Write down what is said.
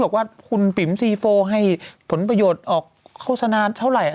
บอกว่าคุณปิ๋มซีโฟให้ผลประโยชน์ออกโฆษณาเท่าไหร่